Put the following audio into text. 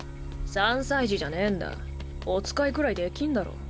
３歳児じゃねぇんだお使いくらいできんだろ。